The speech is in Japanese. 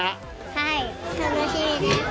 はい、楽しみです。